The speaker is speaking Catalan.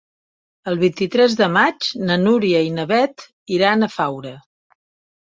El vint-i-tres de maig na Núria i na Beth iran a Faura.